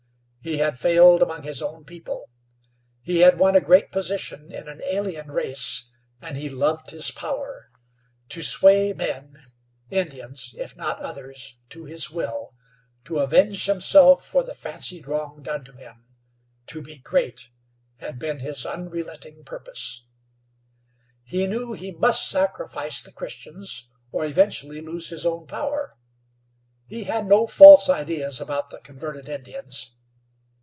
He had failed among his own people. He had won a great position in an alien race, and he loved his power. To sway men Indians, if not others to his will; to avenge himself for the fancied wrong done him; to be great, had been his unrelenting purpose. He knew he must sacrifice the Christians, or eventually lose his own power. He had no false ideas about the converted Indians.